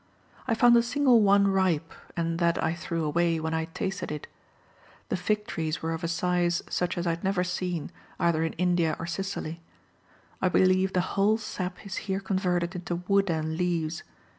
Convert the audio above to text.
I found a single one ripe, and that I threw away when I had tasted it. The fig trees were of a size such as I had never seen, either in India or Sicily. I believe the whole sap is here converted into wood and leaves.